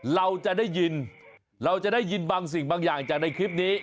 เราจะได้ยินเราจะได้ยินบางสิ่งบางอย่างจากในคลิปนี้